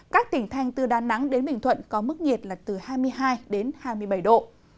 các tỉnh thành từ đà nẵng đến bình thuận có mức nhiệt là từ hai mươi hai đến hai mươi bảy độ